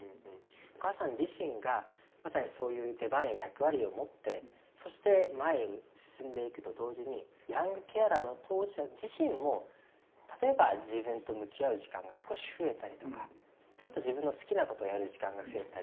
お母さん自身がまさにそういう出番や役割を持ってそして前に進んでいくと同時にヤングケアラーの当事者自身も例えば自分と向き合う時間が少し増えたりとかちょっと自分の好きなことをやる時間が増えたりとかって。